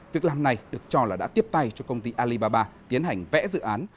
việc làm này được cho là đã tiếp tay cho công ty alibaba tiến hành vẽ dự án